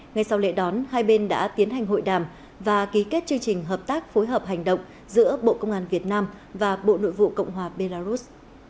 ngay sau lễ đón hai bên đã tiến hành hội đàm và ký kết chương trình hợp tác phối hợp hành động giữa bộ công an việt nam và bộ nội vụ cộng hòa belarus